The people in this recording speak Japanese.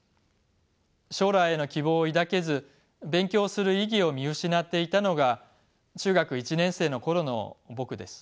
将来への希望を抱けず勉強する意義を見失っていたのが中学１年生の頃の僕です。